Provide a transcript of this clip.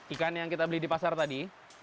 ikan yang kita beli di pasar tadi